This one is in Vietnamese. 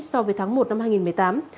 so với tháng một năm hai nghìn một mươi tám